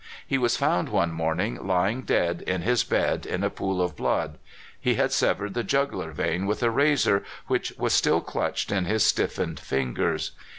He was found one morning lying dead in his bed in a pool of blood. He had severed the jugular vein with a razor, which was still clutched in his stiffened fingers.